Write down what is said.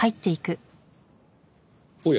おや。